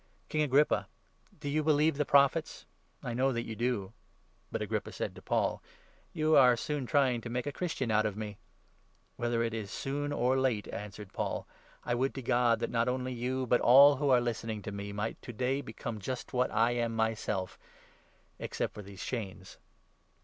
King Agrippa, do you believe the Prophets ? I know 27 you do." But Agrippa said to Paul : 28 " You are soon trying to make a Christian of me !" "Whether it is soon or late," answered Paul, " I would to 29 God that not only you, but all who are listening to me, might to day become just what I am myself — except for these chains